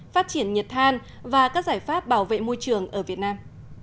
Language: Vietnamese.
phát triển nhiệt than và các giải pháp bảo vệ môi trường ở việt nam